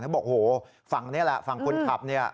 แล้วบอกโหฝั่งเนี่ยแหละฝั่งคุณขับเนี่ย